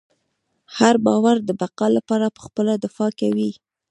هر باور د بقا لپاره پخپله دفاع کوي.